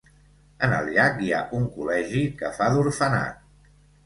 En el llac hi ha un col·legi que fa d'orfenat.